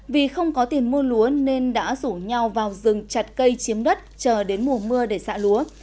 vì không có tiền mua lúa nên đã rủ nhau vào rừng chặt cây chiếm đất chờ đến mùa mưa để xạ lúa